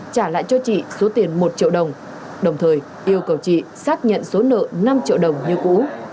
trả lại cho chị số tiền một triệu đồng đồng thời yêu cầu chị xác nhận số nợ năm triệu đồng như cũ